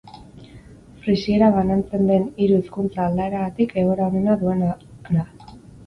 Frisiera banantzen den hiru hizkuntza-aldaeretatik egoera onena duena da.